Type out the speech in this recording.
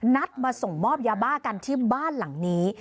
นัดมาส่งมอบยาบ้ากันที่บ้านหลังนี้